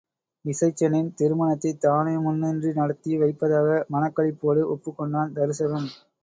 இசைச்சனின் திருமணத்தைத் தானே முன்நின்று நடத்தி வைப்பதாக மனக் களிப்போடு ஒப்புக் கொண்டான் தருசகன்.